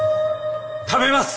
食べます！